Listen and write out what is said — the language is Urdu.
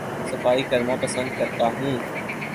صفائی کرنا پسند کرتا ہوں